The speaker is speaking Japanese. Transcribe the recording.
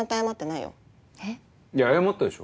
いや謝ったでしょ。